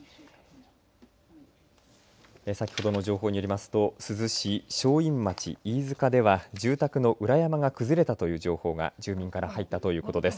先ほどの情報によりますと珠洲市正院町飯塚では住宅の裏山が崩れたという情報が住民から入ったということです。